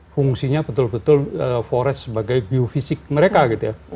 fungsinya betul betul forest sebagai biofisik mereka gitu ya